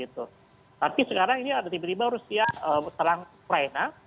tapi sekarang ini ada tiba tiba rusia serang ukraina